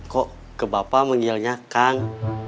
kok kebapa menghilangnya kang